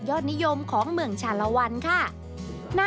โหเม็ดบัวอบ